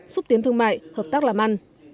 xúc tiến thương mại hợp tác làm ăn